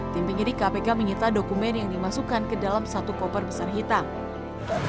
tim pengedih kpk mengita dokumen yang dimasukkan ke dalam satu kopar besar hitam